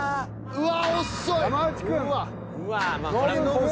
うわ。